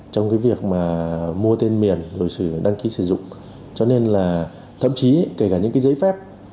trong cái việc mà mua tên miền rồi đăng ký sử dụng cho nên là thậm chí kể cả những cái giấy phép